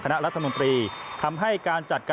คณะรัฐมนตรีทำให้การจัดการ